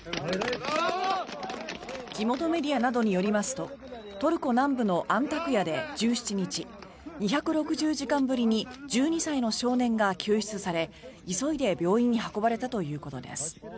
地元メディアなどによりますとトルコ南部のアンタクヤで１７日２６０時間ぶりに１２歳の少年が救出され急いで病院に運ばれたということです。